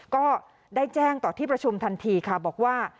ก็ได้แจ้งต่อที่ประชุมทันทีค่ะบอกว่า